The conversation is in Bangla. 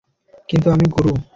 কিন্তু আমি গুরু!